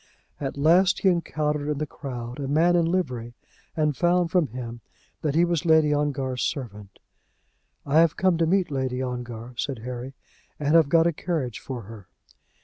At last he encountered in the crowd a man in livery, and found from him that he was Lady Ongar's servant. "I have come to meet Lady Ongar," said Harry, "and have got a carriage for her."